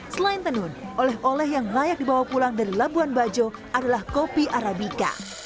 selain tenun oleh oleh yang layak dibawa pulang dari labuan bajo adalah kopi arabica